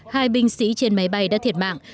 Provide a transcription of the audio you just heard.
hai binh sĩ trên máy bay đã thiệt mạng